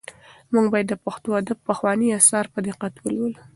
موږ باید د پښتو ادب پخواني اثار په دقت ولولو.